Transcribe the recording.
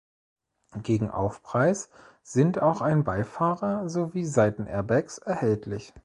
Gegen Aufpreis sind auch ein Beifahrer- sowie Seitenairbags erhältlich.